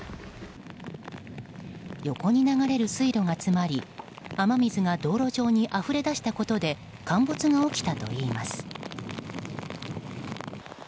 横に流れる水路がつまり雨水が道路上にあふれ出したことで陥没が起きたといいます。